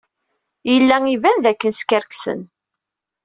Yella iban dakken skerksen.